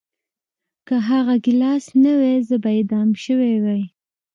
که هغه ګیلاس نه وای زه به اعدام شوی وای